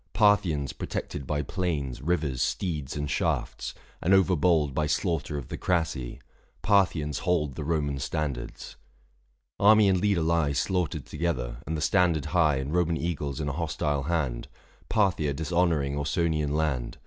Parthians protected by 660 Plains, rivers, steeds, and shafts — and overbold By slaughter of the Crassi — Parthians hold The Roman standards. Army and leader lie Slaughtered together ; and the standard high And Roman eagles in a hostile hand — 665 Parthia dishonouring Ausonian land !